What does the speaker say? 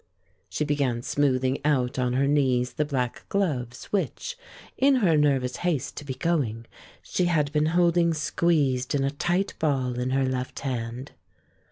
She began smoothing out on her knees the black gloves which, in her nervous haste to be going, she had been holding squeezed in a tight ball in her left hand.